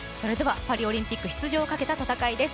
パリオリンピック出場をかけた戦いです